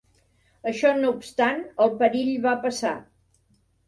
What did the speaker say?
Això no obstant, el perill va passar.